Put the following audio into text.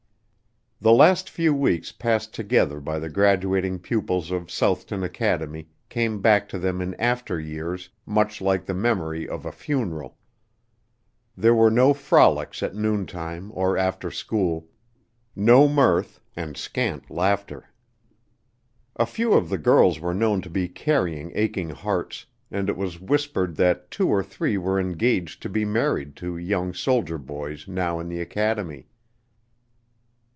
The last few weeks passed together by the graduating pupils of Southton Academy came back to them in after years much like the memory of a funeral. There were no frolics at noontime or after school; no mirth and scant laughter. A few of the girls were known to be carrying aching hearts, and it was whispered that two or three were engaged to be married to young soldier boys now in the academy.